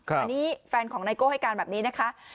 อันนี้แฟนของไนโก้ให้การแบบนี้นะคะ